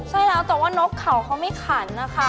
ใช่แล้วแต่ว่านกเขาเขาไม่ขันนะคะ